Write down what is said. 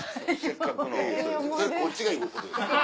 それこっちが言うことです。